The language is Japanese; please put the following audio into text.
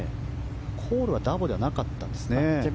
コールはダボではなかったんですね。